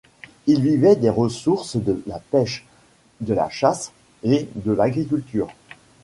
Ils vivaient des ressources de la pêche, de la chasse et de l'agriculture.